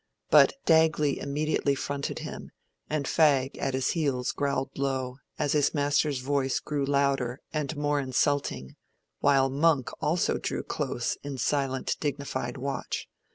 But Dagley immediately fronted him, and Fag at his heels growled low, as his master's voice grew louder and more insulting, while Monk also drew close in silent dignified watch.